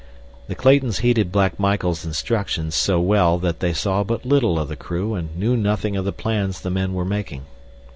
The Claytons heeded Black Michael's instructions so well that they saw but little of the crew and knew nothing of the plans the men were making.